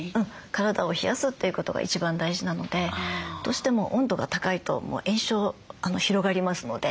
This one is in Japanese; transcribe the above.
体を冷やすということが一番大事なのでどうしても温度が高いと炎症広がりますので。